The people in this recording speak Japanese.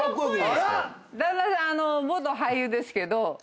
旦那さん元俳優ですけど。